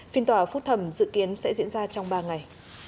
phiên tòa phúc thẩm dự kiến sẽ diễn ra trong ba ngày